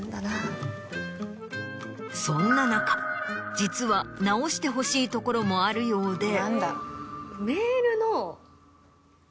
そんな中実は直してほしいところもあるようで。